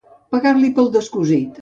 Pegar-li pel descosit.